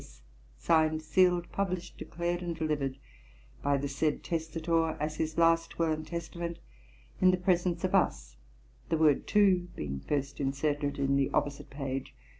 S.) 'Signed, scaled, published, declared, and delivered, by the said testator, as his last will and testament, in the presence of us, the word two being first inserted in the opposite page.